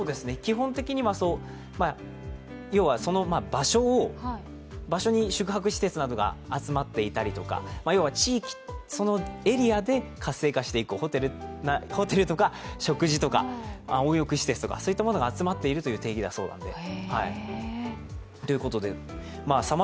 基本的には要は場所に宿泊施設が集まっていたりとかそのエリアで活性していく、ホテルとか食事とか、温浴施設といったものが集まっているという定義だそうです。